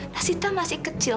nah sita masih kecil